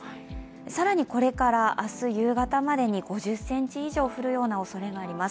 更にこれから明日夕方までに５０ｃｍ以上降るようなおそれもあります。